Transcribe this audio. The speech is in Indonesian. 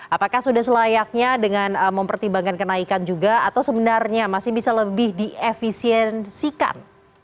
apakah sudah selayaknya dengan mempertimbangkan kenaikan juga atau sebenarnya masih bisa lebih diefisiensikan